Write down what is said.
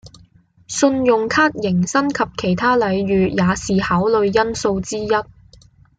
信用卡迎新及其他禮遇也是考慮因素之一